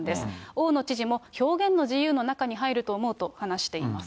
大野知事も、表現の自由の中に入ると思うと話しています。